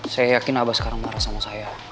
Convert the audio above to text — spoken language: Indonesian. saya yakin abah sekarang marah sama saya